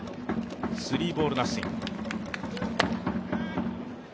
スリーボール・ナッシング。